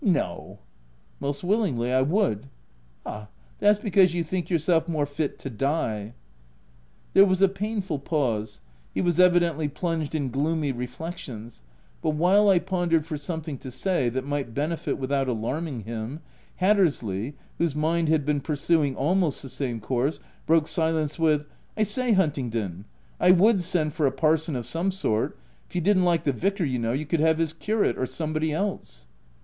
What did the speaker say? — No !"" Most willingly, I would/' " Ah ! that's because you think yourself more fit to die V There was a painful pause. He was evi dently plunged in gloomy reflections, but while I pondered for something to say, that might benefit without alarming him, Hattersley, whose mind had been pursuing almost the same course, broke silence with, —" I say, Huntingdon, I would send for a parson, of some sort — If you didn't like the vicar, you know r , you could have his curate, or somebody else."